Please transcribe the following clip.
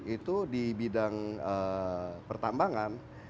itu di bidang pertambangan